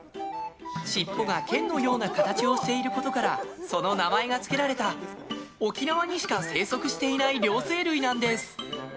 しっぽが剣のような形をしていることからその名前が付けられた沖縄にしか生息していない両生類なんです。